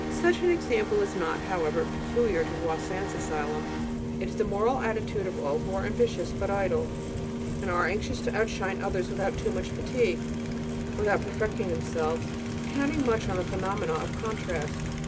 Such an example is not, however, peculiar to Voisin's asylum; it is the moral attitude of all who are ambitious, but idle, and are anxious to outshine others without too much fatigue, without perfecting themselves, counting much on the phenomena of contrast.